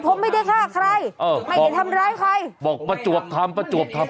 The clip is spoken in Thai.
ผมไม่ได้ฆ่าใครเออไม่ได้ทำร้ายใครบอกประจวบทำประจวบทำ